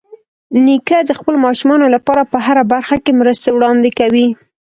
نیکه د خپلو ماشومانو لپاره په هره برخه کې مرستې وړاندې کوي.